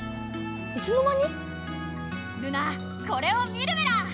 いつの間に⁉ルナこれを見るメラ！